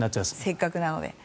せっかくなので。